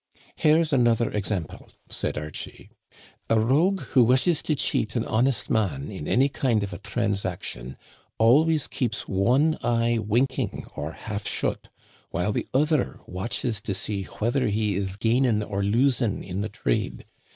" Here's another example," said Archie. " A rogue who wishes to cheat an honest man in any kind of a transaction always keeps one eye winking or half shut, while the other watches to see whether he is gaining or . losing in the trade.